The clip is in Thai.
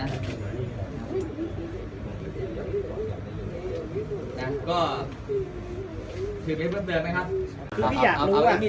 เอาวะแอมีจะจะได้เป็นอ่าบอกเขามาอย่างอย่างงี้อ๋อ